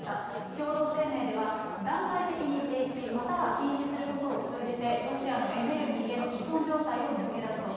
共同声明では、段階的に停止、または禁止することを通じて、ロシアのエネルギーへの依存状態を抜け出すと。